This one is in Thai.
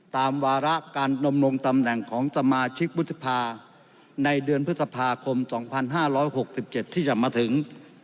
วาระการดำรงตำแหน่งของสมาชิกวุฒิภาในเดือนพฤษภาคม๒๕๖๗ที่จะมาถึง